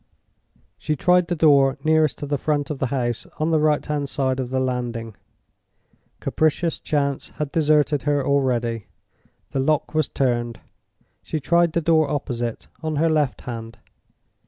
She tried the door nearest to the front of the house on the right hand side of the landing. Capricious chance had deserted her already. The lock was turned. She tried the door opposite, on her left hand.